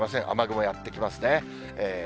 雨雲やって来ますね。